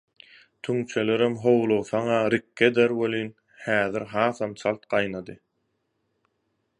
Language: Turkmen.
Tüňçelerem howlugsaň-a rikge eder welin, häzir hasam çalt gaýnady.